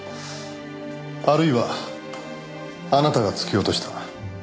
あるいはあなたが突き落とした。